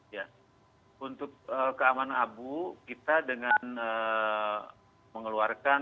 ya untuk keamanan abu kita dengan mengeluarkan